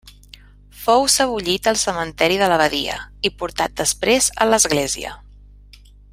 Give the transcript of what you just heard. Fou sebollit al cementiri de l'abadia, i portat després a l'església.